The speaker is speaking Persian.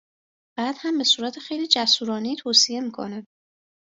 بعد هم به صورت خیلی جسورانهای توصیه میکنه